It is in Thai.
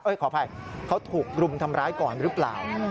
ขออภัยเขาถูกรุมทำร้ายก่อนหรือเปล่า